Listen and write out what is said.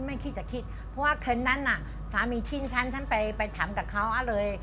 ไม่คิดจะคิดเพราะว่าคืนนั้นน่ะสามีทิ้งฉันฉันไปถามกับเขาเลย